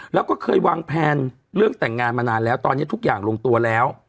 แล้วก็เคยวางแผนเรื่องแต่งงานมานานแล้วตอนนี้ทุกอย่างลงตัวแล้ว